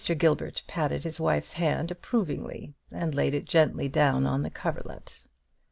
Gilbert patted his wife's hand approvingly, and laid it gently down on the coverlet.